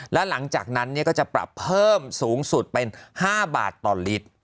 และหลังจากนั้นก็จะปรับเพิ่มสูงสุดเป็น๕บาทต่อลิตร